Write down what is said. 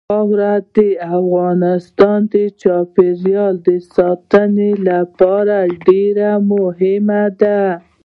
خاوره د افغانستان د چاپیریال ساتنې لپاره ډېر مهم دي.